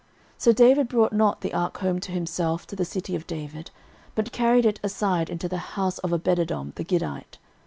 13:013:013 So David brought not the ark home to himself to the city of David, but carried it aside into the house of Obededom the Gittite.